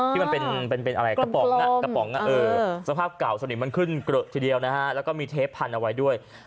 ที่มันเป็นกระป๋องสภาพเก่าสนิมมันขึ้นทีเดียวแล้วก็มีเทปพันธุ์เอาไว้ด้วย